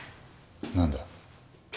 何だ？